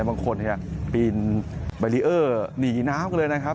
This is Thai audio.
บางคนปีนบารีเออร์หนีน้ำกันเลยนะครับ